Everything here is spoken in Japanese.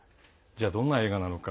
どんな映画なのか。